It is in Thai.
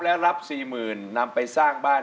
และรับสี่หมื่นนำไปสร้างบ้าน